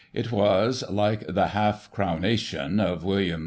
It was, like the " Half Crownation " of William IV.